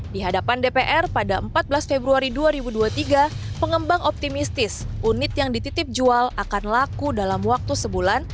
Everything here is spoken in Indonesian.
di hadapan dpr pada empat belas februari dua ribu dua puluh tiga pengembang optimistis unit yang dititip jual akan laku dalam waktu sebulan